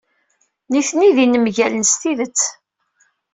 Nitni d inemgalen s tidet.